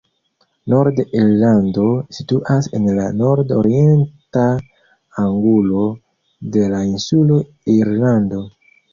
Nord-Irlando situas en la nord-orienta angulo de la insulo Irlando.